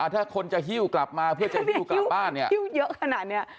ถ้าคนจะหิ้วกลับมาเพื่อจะหิ้วกลับบ้านเนี่ยหิ้วเยอะขนาดนี้